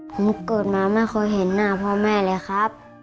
ผมเกิดมาไม่เคยเห็นหน้าพ่อแม่เลยครับ